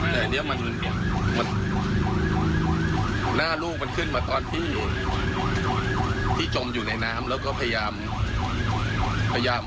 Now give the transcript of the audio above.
แต่อันนี้มันหน้าลูกมันขึ้นมาตอนที่จมอยู่ในน้ำแล้วก็พยายาม